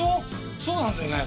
そうなんだよね。